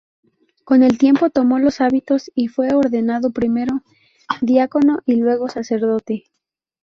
Con el tiempo tomó los hábitos y fue ordenado primero diácono y luego sacerdote.